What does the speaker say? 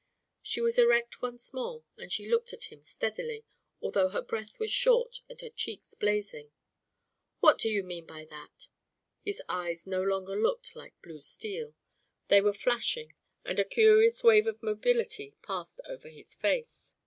She was erect once more and she looked at him steadily, although her breath was short and her cheeks blazing. "What do you mean by that?" His eyes no longer looked like blue steel. They were flashing, and a curious wave of mobility passed over his face.